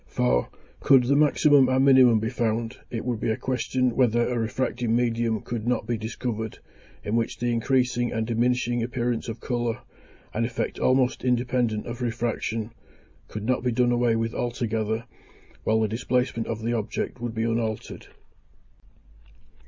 For, could the maximum and minimum be found, it would be a question whether a refracting medium could not be discovered, in which the increasing and diminishing appearance of colour, (an effect almost independent of refraction,) could not be done away with altogether, while the displacement of the object would be unaltered.